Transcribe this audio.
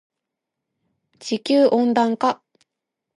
地球温暖化